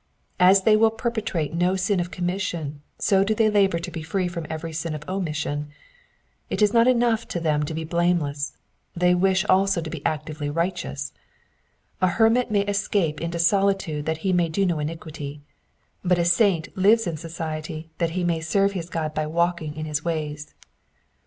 As they will perpetrate no sin of commission, so do they labour to be free from every sin of omission. It is not enough to them to be blameless, they wish aUo to be actively righteous. A hermit may escape into solitude that he may do no iniquity, but a saint lives in society that he may serve his God by walking in his ways.